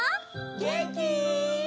げんき？